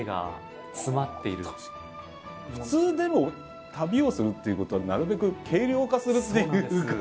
普通でも旅をするっていうことはなるべく軽量化するっていうか。